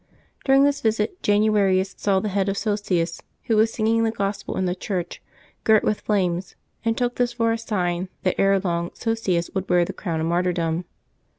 During this visit Januarius saw the head of Sosius, who was singing the gospel in the church, girt with flames, and took this for a sign that ere long Sosius would wear the crown of martyrdom.